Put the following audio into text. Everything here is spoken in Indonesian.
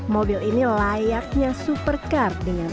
mobil ini layaknya untuk diperlukan di jalan jalan ini